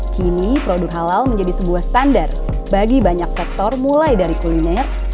kini produk halal menjadi sebuah standar bagi banyak sektor mulai dari kuliner